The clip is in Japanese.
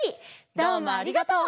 どうもありがとう！